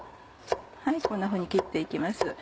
こんなふうに切って行きます。